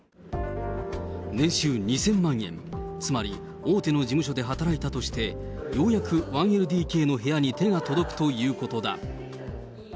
年収２０００万円、つまり大手の事務所で働いたとして、ようやく１ＬＤＫの部屋に手が届くということだ。